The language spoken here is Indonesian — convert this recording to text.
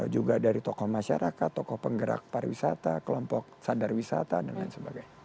juga dari tokoh masyarakat tokoh penggerak pariwisata kelompok sadar wisata dan lain sebagainya